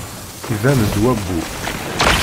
Iban-d wabbu.